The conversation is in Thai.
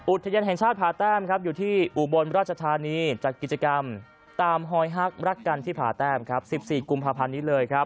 อุทยานแห่งชาติผ่าแต้มอยู่ที่อุบลรัชธานีจากกิจกรรมตามฮอยฮักษ์รักกันที่ผ่าแต้ม๑๔กุมภาพันธ์